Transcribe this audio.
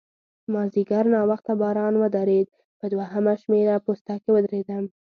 مازیګر ناوخته باران ودرېد، په دوهمه شمېره پوسته کې ودرېدم.